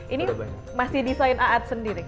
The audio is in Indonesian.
ini masih desain aat sendiri